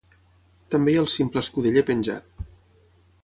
També hi ha el simple escudeller penjat.